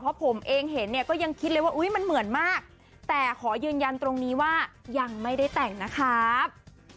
เพราะผมเองเห็นเนี่ยก็ยังคิดเลยว่าอุ๊ยมันเหมือนมากแต่ขอยืนยันตรงนี้ว่ายังไม่ได้แต่งนะครับ